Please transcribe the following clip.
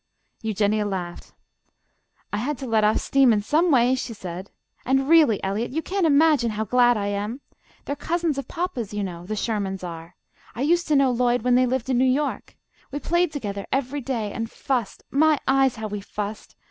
Eugenia laughed. "I had to let off steam in some way," she said; "and really, Eliot, you can't imagine how glad I am. They're cousins of papa's, you know, the Shermans are. I used to know Lloyd when they lived in New York. We played together every day, and fussed my eyes, how we fussed!